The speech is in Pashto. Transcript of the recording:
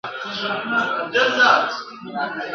قتلګاه دپرنګيانو ..